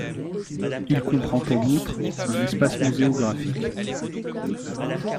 Il comprend en outre un espace muséographique.